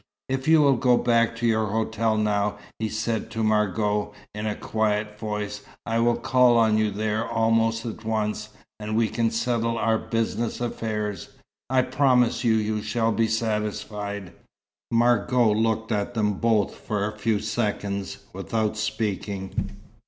"If you will go back to your hotel now," he said to Margot, in a quiet voice, "I will call on you there almost at once, and we can settle our business affairs. I promise that you shall be satisfied." Margot looked at them both for a few seconds, without speaking.